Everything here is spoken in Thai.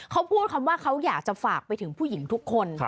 เขาพูดคำว่าเขาอยากจะฝากไปถึงผู้หญิงทุกคน